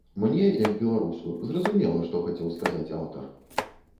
Мне, як беларусу, зразумела, што хацеў сказаць аўтар.